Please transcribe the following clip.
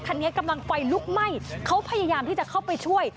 คันนี้กำลังไฟลุกไหม้เขาพยายามที่จะเข้าไปช่วย